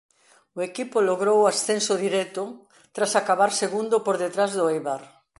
O equipo logrou o ascenso directo tras acabar segundo por detrás do Eibar.